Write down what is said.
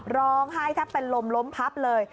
ร้องไห้แทบเป็นลมล้มพับเลย